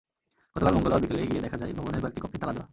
গতকাল মঙ্গলবার বিকেলে গিয়ে দেখা যায়, ভবনের কয়েকটি কক্ষে তালা দেওয়া।